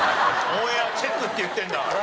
オンエアチェックって言ってるんだから。